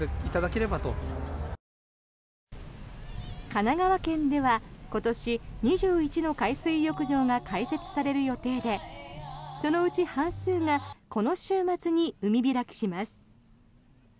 神奈川県では今年２１の海水浴場が開設される予定でそのうち半数がこの週末に海開きします。